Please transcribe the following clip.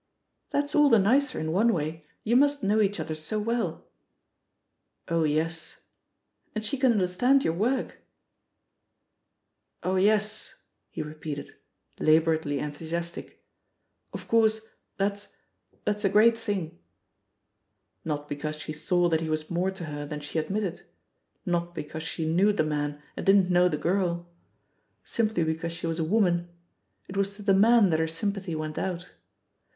"That's all the nicer in one way — ^you must know each other so well." "Oh yes." "And she can understand your work." THE POSITION OF PEGGY HARPER «1» Oh yes,'* he repeated, labouredly enthusiastic. Of course, that's — ^that's a great thing/' Not because she saw that he was more to her than she admitted — ^not because she knew the man and didn't know the girl — simply because she was a woman, it was to the man that her sympathy went out.